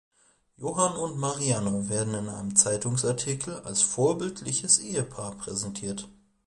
Johan und Marianne werden in einem Zeitungsartikel als vorbildliches Ehepaar präsentiert.